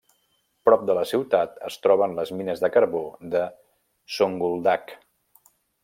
Prop de la ciutat es troben les mines de carbó de Zonguldak.